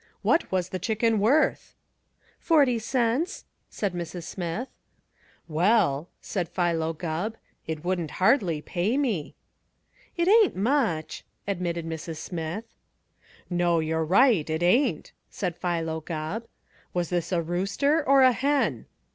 "What was the chicken worth?" "Forty cents," said Mrs. Smith. "Well," said Philo Gubb, "it wouldn't hardly pay me." "It ain't much," admitted Mrs. Smith. "No. You're right, it ain't," said Philo Gubb. "Was this a rooster or a hen?"